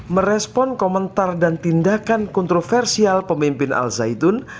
merespon komentar dan tindakan kontroversial pemimpin al zaitun